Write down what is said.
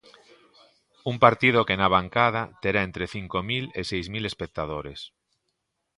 Un partido que na bancada terá entre cinco mil e seis mil espectadores.